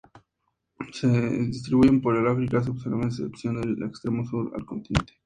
Se distribuyen por el África subsahariana, a excepción del extremo sur del continente.